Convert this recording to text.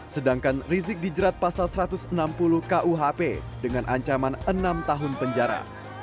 sedangkan rizik dijerat pasal satu ratus enam puluh kuhp dengan ancaman enam tahun penjara